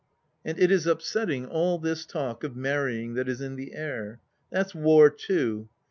And it is upsetting, all this talk of marrying that is in the air. That's War too